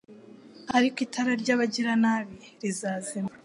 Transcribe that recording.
ariko itara ry’abagiranabi rizazima